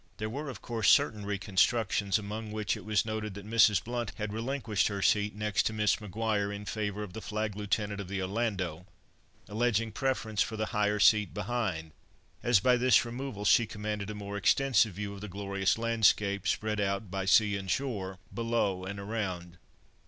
There were, of course, certain reconstructions, among which it was noted that Mrs. Blount had relinquished her seat next to Miss Maguire, in favour of the Flag Lieutenant of the Orlando, alleging preference for the higher seat behind, as by this removal she commanded a more extensive view of the glorious landscape, spread out by sea and shore, below and around.